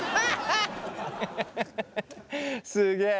すげえ。